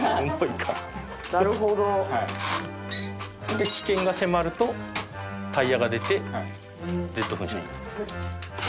で危険が迫るとタイヤが出てジェット噴射になる。